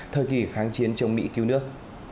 thời kỳ kháng chiến chống mỹ cứu nước